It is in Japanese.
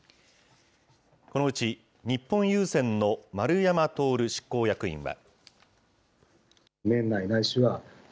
このうち、日本郵船の丸山徹執行役員は。